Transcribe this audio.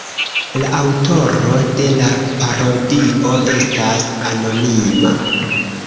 La aŭtoro de la parodio estas anonima.